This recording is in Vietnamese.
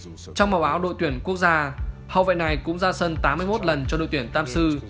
trong màu áo đội tuyển quốc gia hậu vệ này cũng ra sân tám mươi một lần cho đội tuyển tam sư